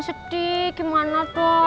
sedih gimana bu